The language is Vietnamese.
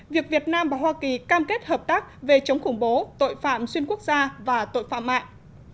việc việt nam và hoa kỳ cam kết hợp tác về chống khủng bố tội phạm xuyên quốc gia và tội phạm mạng